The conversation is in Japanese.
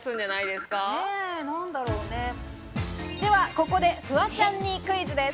ここでフワちゃんにクイズです。